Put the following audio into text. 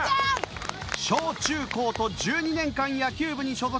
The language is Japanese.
小中高と１２年間野球部に所属。